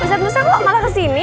eh ustadz musa kok malah kesini